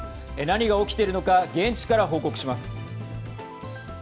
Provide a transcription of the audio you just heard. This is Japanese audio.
何が起きているのか現地から報告します。